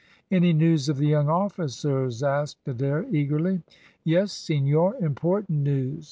"Any news of the young officers?" asked Adair, eagerly. "Yes, senor, important news.